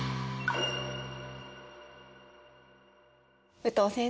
武藤先生